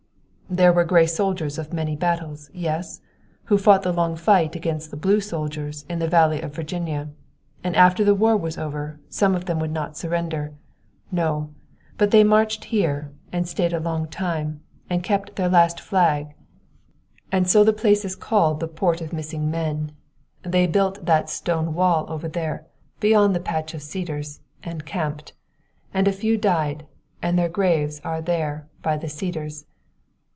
"There were gray soldiers of many battles yes? who fought the long fight against the blue soldiers in the Valley of Virginia; and after the war was over some of them would not surrender no; but they marched here, and stayed a long time, and kept their last flag, and so the place was called the Port of Missing Men. They built that stone wall over there beyond the patch of cedars, and camped. And a few died, and their graves are there by the cedars.